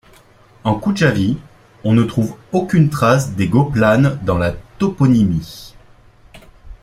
En Cujavie, on ne trouve aucune trace des Goplanes dans la toponymie.